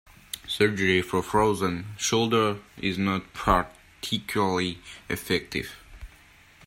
Surgery for frozen shoulder is not particularly effective.